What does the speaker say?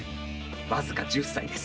僅か１０歳です。